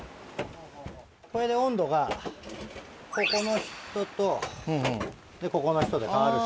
これで温度がここの人とでここの人で変わるし。